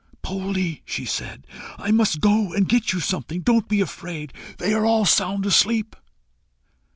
"Poldie," she said, "I MUST go and get you something. Don't be afraid. They are all sound asleep."